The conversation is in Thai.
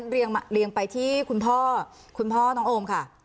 เรียงไปที่คุณพ่อคุณพ่อน้องโอมค่ะ